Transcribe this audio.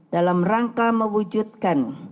dalam rangka mewujudkan